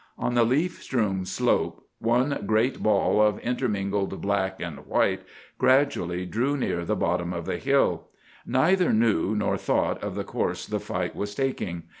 On the leaf strewn slope one great ball of intermingled black and white gradually drew near the bottom of the hill. Neither knew nor thought of the course the fight was taking.